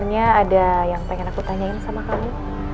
misalnya ada yang pengen aku tanyain sama kamu